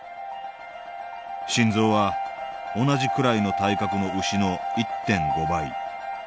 心臓は同じくらいの体格の牛の１．５倍。